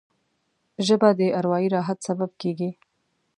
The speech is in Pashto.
ژبه د اروايي راحت سبب کېږي